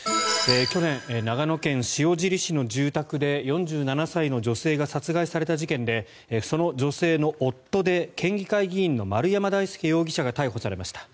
去年、長野県塩尻市の住宅で４７歳の女性が殺害された事件でその女性の夫で県議会議員の丸山大輔容疑者が逮捕されました。